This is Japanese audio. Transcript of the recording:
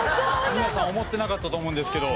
皆さん思ってなかったと思うんですけど。